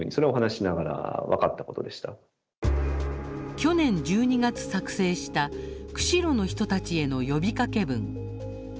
去年１２月、作成した釧路の人たちへの呼びかけ文。